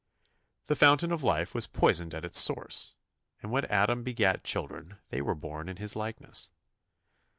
The fountain of life was poisoned at its source, and when Adam begat children they were born in his likeness.